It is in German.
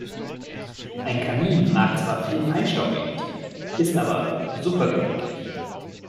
Ein Kamin mag zwar viel Feinstaub emittieren, ist aber super gemütlich.